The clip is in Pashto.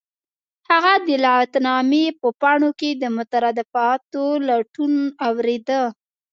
هغه د لغتنامې په پاڼو کې د مترادفاتو لټون اوریده